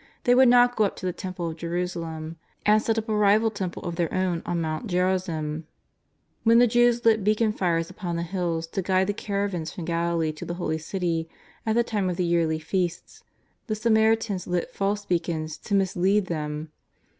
They would not go up to the Temple of Jerusalem, and set up a rival tem ple of their own on Mount Gerazim. When the Jews lit beacon fires upon the hills to guide the caravans from Galilee to the Holy City at the time of the yearly Feasts, the Samaritans lit false beacons to mislead them.